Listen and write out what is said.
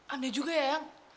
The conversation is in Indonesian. aneh juga ya